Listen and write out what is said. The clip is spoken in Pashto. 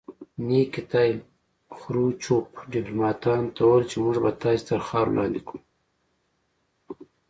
نیکیتیا خروچوف ډیپلوماتانو ته وویل چې موږ به تاسې تر خاورو لاندې کړو